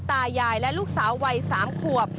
ตายายและลูกสาววัย๓ขวบ